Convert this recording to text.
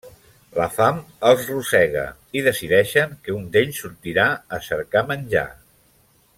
La fam els rosega, i decideixen que un d'ells sortirà a cercar menjar.